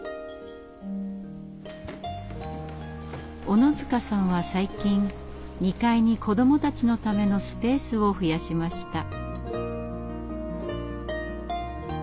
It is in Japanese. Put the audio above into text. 小野塚さんは最近２階に子どもたちのためのスペースを増やしました。